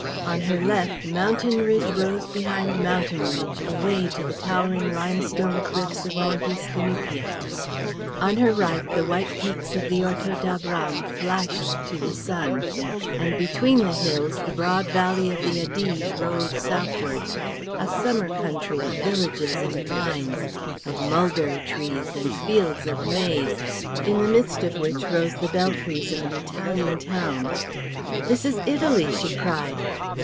On her left, mountain ridge rose behind mountain ridge, away to the towering limestone cliffs of Monte Scanupia; on her right, the white peaks of the Orto d'Abram flashed to the sun; and between the hills the broad valley of the Adige rolled southwards, a summer country of villages and vines, of mulberry trees and fields of maize, in the midst of which rose the belfries of an Italian town. "This is Italy," she cried.